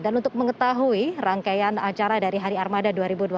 dan untuk mengetahui rangkaian acara dari hari armada dua ribu dua puluh satu